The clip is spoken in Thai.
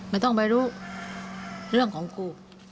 ไม่ต้องไปรู้เรื่องของกู